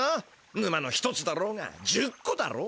ぬまの１つだろうが１０こだろうが。